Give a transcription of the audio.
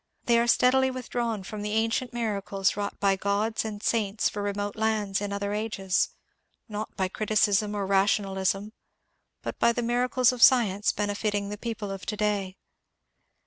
They are steadily with drawn from the ancient miracles wrought by gods and saints for remote lands in other ages, not by criticism or rationalism, but by the miracles of science benefiting the people of to day.